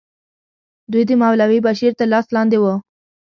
دوی د مولوي بشیر تر لاس لاندې وو.